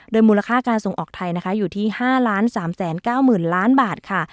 โดยมูลค่าการส่งออกไทยนะคะอยู่ที่ห้าร้านสามแสนเก้าหมื่นล้านบาทค่ะ